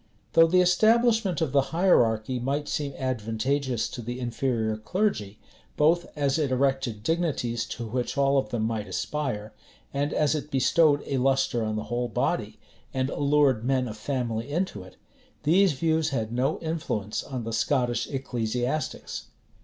[] Though the establishment of the hierarchy might seem advantageous to the inferior clergy, both as it erected dignities to which all of them might aspire, and as it bestowed a lustre on the whole body, and allured men of family into it, these views had no influence on the Scottish ecclesiastics.